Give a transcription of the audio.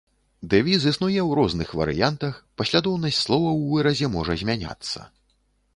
Дэвіз існуе ў розных варыянтах, паслядоўнасць словаў у выразе можа змяняцца.